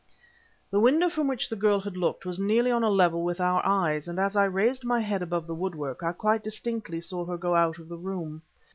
The window from which the girl had looked was nearly on a level with our eyes, and as I raised my head above the woodwork, I quite distinctly saw her go out of the room.